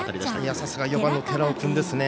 さすが４番の寺尾君ですね。